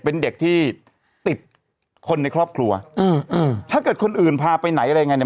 เป็นเด็กที่ติดคนในครอบครัวอืมอืมถ้าเกิดคนอื่นพาไปไหนอะไรยังไงเนี่ย